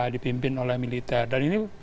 dipimpin oleh militer dan ini